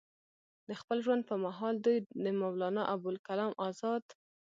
د خپل ژوند پۀ محال دوي د مولانا ابوالکلام ازاد